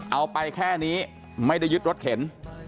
เอาไปแค่นี้ไม่ได้ยึดรถเข็น